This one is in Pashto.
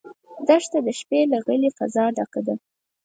دښته د شپې له غلې فضا ډکه ده.